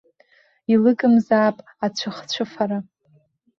Илыгымзаап ацәыхцәыфара.